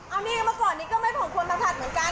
เอาเมียมาก่อนนี้ก็ไม่ผงควรมาถัดเหมือนกัน